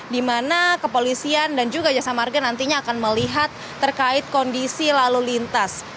dimana kepolisian dan juga jasa margen nantinya akan melihat terkait kondisi lalu lintas